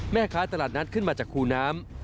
แม่ค้าตลาดนัดขึ้นมาจากคูน้ำ